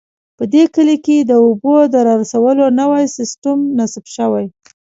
په دې کلي کې د اوبو د رارسولو نوی سیسټم نصب شوی